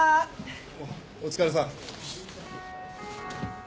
おっお疲れさん。